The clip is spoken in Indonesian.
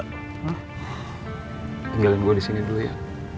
tinggalin gue disini dulu ya